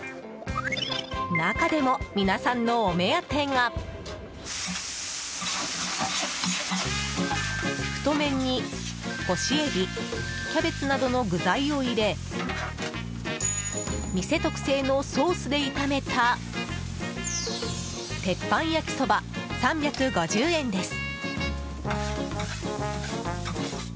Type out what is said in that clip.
中でも皆さんのお目当てが太麺に、干しエビキャベツなどの具材を入れ店特製のソースで炒めた鉄板焼きそば、３５０円です。